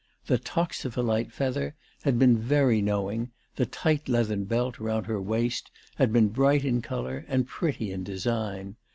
The toxopholite feather had been very knowing, the tight leathern belt round her waist had been bright in colour and pretty in design.